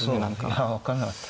いや分かんなかった。